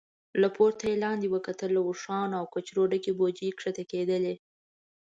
له پورته يې لاندې وکتل، له اوښانو او کچرو ډکې بوجۍ کښته کېدلې.